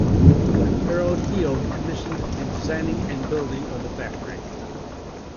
Harold Heal commissioned the designing and building of the factory.